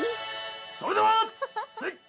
それでは。